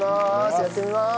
やってみます。